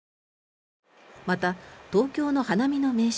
また、東京の花見の名所